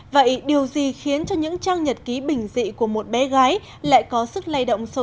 vậy điều gì khiến cho những trang nhật ký bình dị của một bé gái lại có sức lây động sâu